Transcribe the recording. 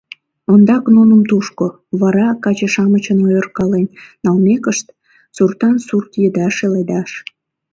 Ондак нуным — тушко, вара, каче-шамычын ойыркален налмекышт, суртан сурт еда шеледаш.